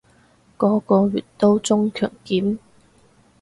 個個月都中強檢